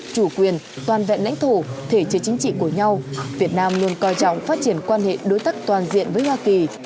chủ quyền toàn vẹn lãnh thổ thể chế chính trị của nhau việt nam luôn coi trọng phát triển quan hệ đối tác toàn diện với hoa kỳ